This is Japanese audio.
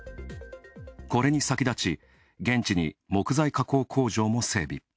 これに先立ち、現地の木材加工工場も整備。